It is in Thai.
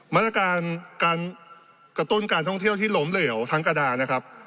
มาตรการการกระตุ้นการท่องเที่ยวที่ล้มเหลวทั้งกระดานะครับ